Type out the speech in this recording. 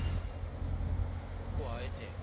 ここはあえて。